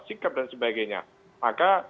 sikap dan sebagainya maka